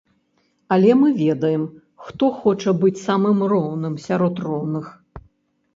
Але мы ведаем, хто хоча быць самым роўным сярод роўных.